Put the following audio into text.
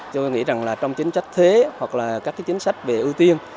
tôi nghĩ rằng trong chính sách thế hoặc các chính sách về ưu tiên